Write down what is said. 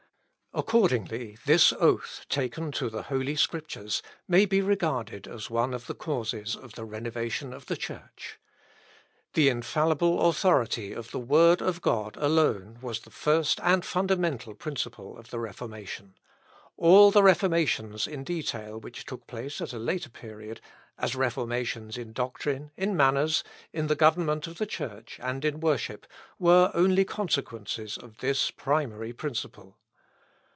Accordingly, this oath taken to the Holy Scriptures, may be regarded as one of the causes of the renovation of the Church. The infallible authority of the word of God alone was the first and fundamental principle of the Reformation. All the reformations in detail which took place at a later period, as reformations in doctrine, in manners, in the government of the Church, and in worship, were only consequences of this primary principle.